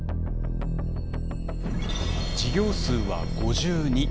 事業数は５２。